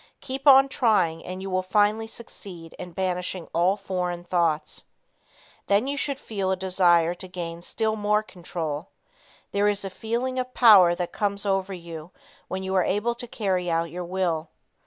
Keep on trying and you will finally succeed in banishing all foreign thoughts. Then you should feel a desire to gain still more control. There is a feeling of power that comes over you when you are able to carry out your will.